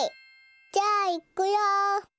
じゃあいくよ！